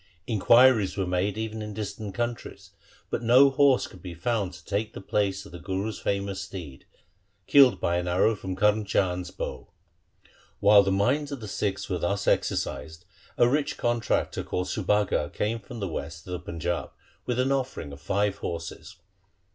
Inquiries were made even in distant countries, but no horse could be found to take the place of the Guru's famous steed, killed by an arrow from Karm Chand's bow. While the minds of the Sikhs were thus exercised a rich contractor called Subhaga came from the west of the Panjab with an offering of five horses.